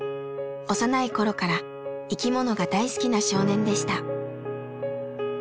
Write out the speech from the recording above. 幼い頃から生きものが大好きな少年でした。